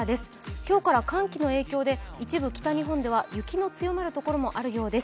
今日から寒気の影響で一部、北日本では雪の強まる所もあるようです。